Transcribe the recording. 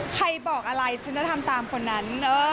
ใครบอกอะไรฉันจะทำตามคนนั้น